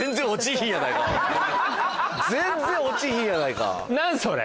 全然落ちひんやないか。